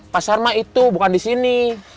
pasar mah itu bukan disini